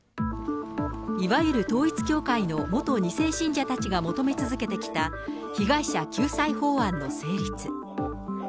いわゆる統一教会の元２世信者たちが求め続けてきた、被害者救済法案の成立。